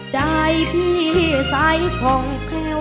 ใจพี่ใส่ผ่องเข้า